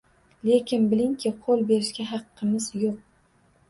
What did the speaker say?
Lekin bilingki, qo'l berishga haqqimiz yo'q